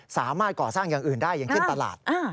สามารถก่อสร้างอย่างอื่นได้อย่างเช่นตลาด